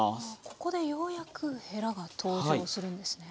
ここでようやくへらが登場するんですね。